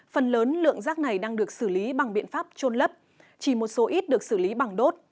phần lớn lượng rác này đang được xử lý bằng biện pháp trôn lấp chỉ một số ít được xử lý bằng đốt